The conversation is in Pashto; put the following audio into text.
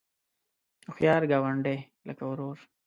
هوښیار ګاونډی لکه ورور